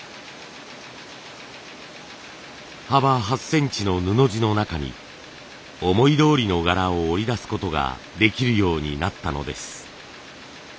幅８センチの布地の中に思いどおりの柄を織り出すことができるようになったのです。